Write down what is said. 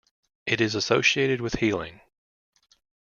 It is associated with healing.